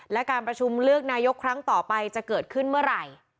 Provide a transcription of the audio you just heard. และการประชุมเลือกนายกครั้งต่อไปจะเกิดขึ้นเมื่อไหร่